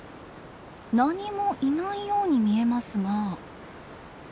何もいないように見えますが。